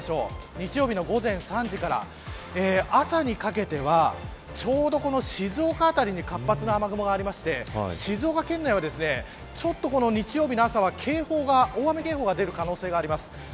日曜日の午前３時から朝にかけてはちょうど静岡辺りに活発な雨雲がありまして静岡県内はちょっと日曜日の朝は大雨警報が出る可能性もあります。